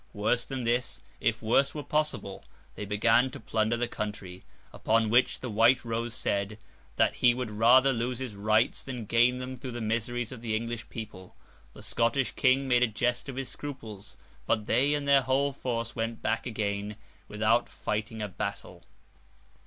Worse than this, if worse were possible, they began to plunder the country; upon which the White Rose said, that he would rather lose his rights, than gain them through the miseries of the English people. The Scottish King made a jest of his scruples; but they and their whole force went back again without fighting a battle.